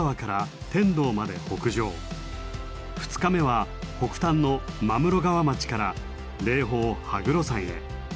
２日目は北端の真室川町から霊峰羽黒山へ。